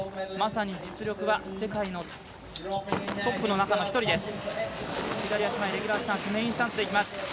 まさに実力は世界のトップの中の１人です。